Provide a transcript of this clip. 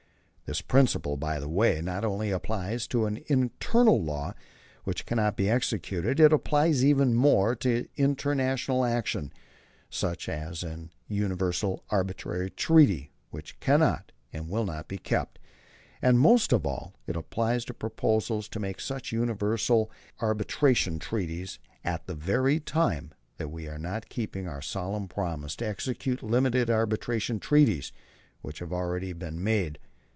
This principle, by the way, not only applies to an internal law which cannot be executed; it applies even more to international action, such as a universal arbitration treaty which cannot and will not be kept; and most of all it applies to proposals to make such universal arbitration treaties at the very time that we are not keeping our solemn promise to execute limited arbitration treaties which we have already made.